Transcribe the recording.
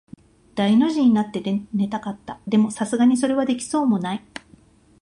大の字になって寝たかった。でも、流石にそれはできそうもない。